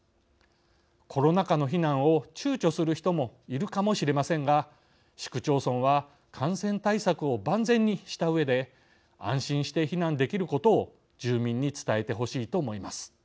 コロナ禍の避難をちゅうちょする人もいるかもしれませんが市区町村は感染対策を万全にしたうえで安心して避難できることを住民に伝えてほしいと思います。